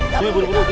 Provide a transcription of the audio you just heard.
dwi buru buru dwi